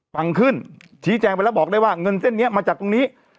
ฟังขึ้นชี้แจงไปแล้วบอกได้ว่าเงินเส้นนี้มาจากตรงนี้